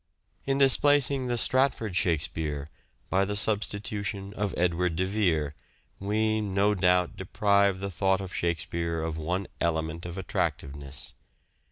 In displacing the Stratford Shakspere by the substitution of Edward de Vere we, no doubt, deprive the thought of " Shakespeare " of one element of attractiveness.